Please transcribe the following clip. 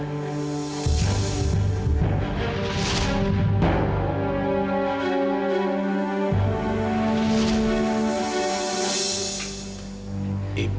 selamat siang pak